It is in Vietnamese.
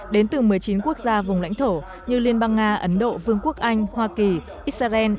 đến từ một mươi chín quốc gia vùng lãnh thổ như liên bang nga ấn độ vương quốc anh hoa kỳ israel